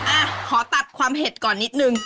อ่ะขอตัดความเผ็ดก่อนนิดนึง